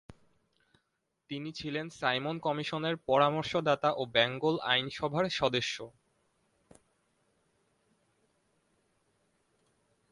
তিনি ছিলেন সাইমন কমিশনের পরামর্শ দাতা ও বেঙ্গল আইনসভার সদস্য।